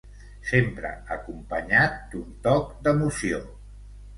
Sempre acompanyat d'un toc d'emoció.